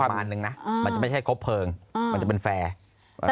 โปรงอันนึงนะมันไม่ใช่ครบเผิงมันจะเป็นแฟร์